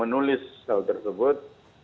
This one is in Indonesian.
menulis hal tersebut